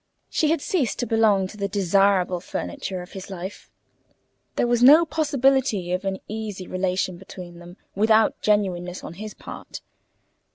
She had ceased to belong to the desirable furniture of his life: there was no possibility of an easy relation between them without genuineness on his part.